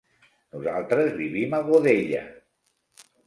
Nosaltres vivim a Godella.